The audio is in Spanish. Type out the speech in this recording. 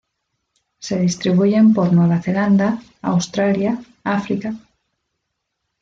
Se distribuyen por Nueva Zelanda, Australia África.